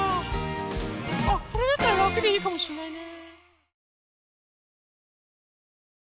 あこれだったららくでいいかもしれないね。